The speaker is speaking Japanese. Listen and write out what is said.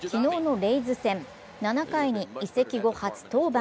昨日のレイズ戦、７回に移籍後初登板。